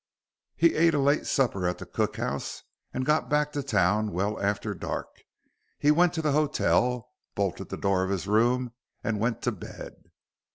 He ate a late supper at the cookhouse and got back to town well after dark. He went to the hotel, bolted the door of his room, and went to bed.